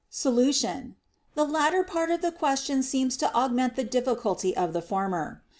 Solution. The latter part of the question seems to aug ment the difficulty of the former.